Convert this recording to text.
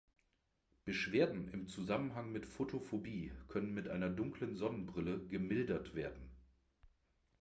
Beschwerden im Zusammenhang mit Fotophobie können mit einer dunklen Sonnenbrille gemildert werden.